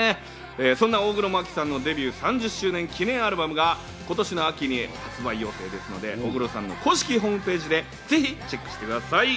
そんな大黒摩季さんのデビュー３０周年記念アルバムが、今年の秋に発売予定ですので、大黒さんの公式ホームページでぜひチェックしてください。